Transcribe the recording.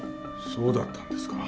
そうだったんですか。